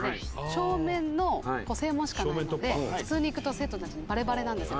正面の正門しかないので普通に行くと生徒たちにバレバレなんですよ」